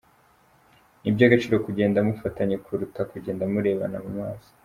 Ni iby’agaciro kugenda mufatanye kuruta kugenda murebana mu maso.